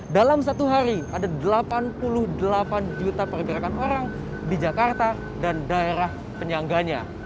dalam satu hari ada delapan puluh delapan juta pergerakan orang di jakarta dan daerah penyangganya